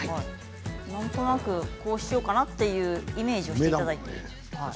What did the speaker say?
なんとなくこうしようかなというイメージをしていただいて。